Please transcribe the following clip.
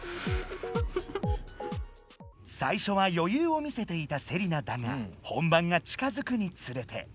最初はよゆうを見せていたセリナだが本番が近づくにつれて。